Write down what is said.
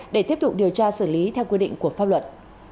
để tiếp tục điều tra xử lý theo quy định của pháp luật